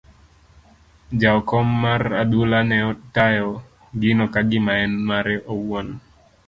Jaokom mar adhula ne tayo gino ka gima en mare owuon.